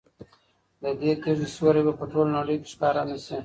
د دې تیږې سیوری به په ټوله نړۍ کې ښکاره نه شي.